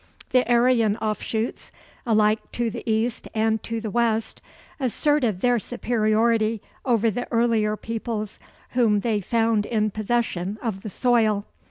The Aryan offshoots, alike to the east and to the west, asserted their superiority over the earlier peoples whom they found in possession of the soil.